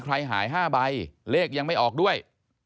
หาย๕ใบเลขยังไม่ออกด้วย